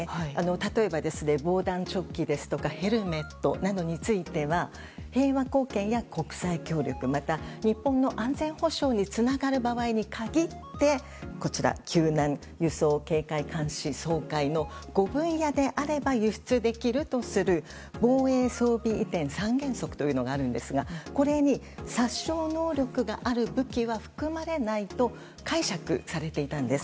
例えば、防弾チョッキやヘルメットなどについては平和貢献や国際協力また日本の安全保障につながる場合に限って救難、輸送、警戒、監視、掃海の５分野であれば輸出できるとする防衛装備移転三原則というものがあるんですがこれに殺傷能力がある武器は含まれないと解釈されていたんです。